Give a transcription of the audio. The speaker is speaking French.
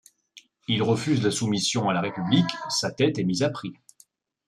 Il refuse la soumission à la République, sa tête est mise à prix.